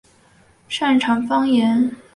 擅长方言为新舄方言。